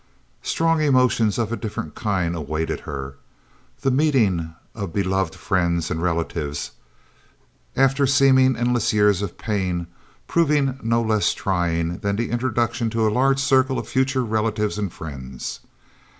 Strong emotions of a different kind awaited her, the meeting of beloved friends and relatives, after seemingly endless years of pain, proving no less trying than the introduction to a large circle of future relatives and friends.